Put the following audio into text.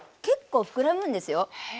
結構膨らむんですよ。